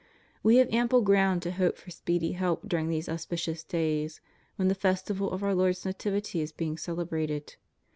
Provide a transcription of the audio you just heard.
We have ample ground to hope for speedy help during these auspicious days when the festival of Our Lord's Nativity is being celebrated.